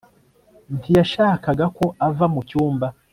ntiyashakaga ko ava mu cyumba